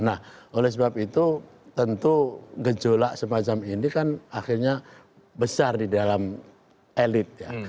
nah oleh sebab itu tentu gejolak semacam ini kan akhirnya besar di dalam elit ya